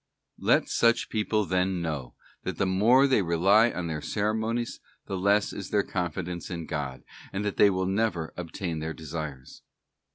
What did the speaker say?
Let such people then know that the more they rely on their ceremonies the less is their confidence in God, and that they will never obtain their desires.